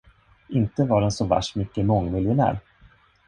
Inte var den så värst mycket mångmiljonär.